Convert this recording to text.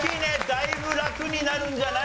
だいぶ楽になるんじゃない？